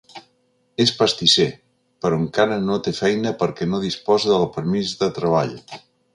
És pastisser, però encara no té feina perquè no disposa del permís de treball.